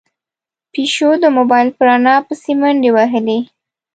پيشو د موبايل په رڼا پسې منډې وهلې.